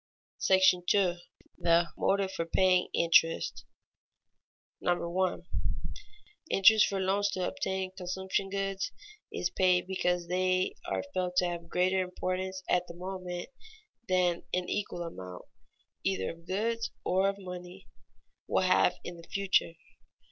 § II. THE MOTIVE FOR PAYING INTEREST [Sidenote: Money borrowed to buy consumption goods] 1. _Interest for loans to obtain consumption goods is paid because they are felt to have greater importance at the moment than an equal amount (either of goods or of money) will have in the future.